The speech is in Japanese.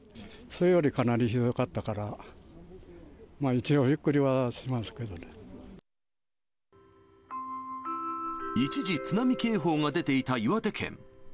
それよりかなりひどかったから、一時、津波警報が出ていた岩手県。